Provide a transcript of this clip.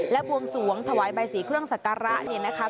และบวงสวงถวายใบสีเครื่องสักการะเนี่ยนะคะ